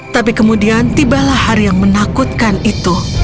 tapi kemudian tibalah hari yang menakutkan itu